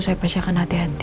saya pasti akan hati hati